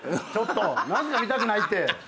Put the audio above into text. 何すか⁉「見たくない」って。